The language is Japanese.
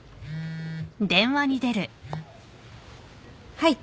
はい。